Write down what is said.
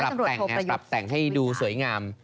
ปรับแต่งให้ดูสวยงาม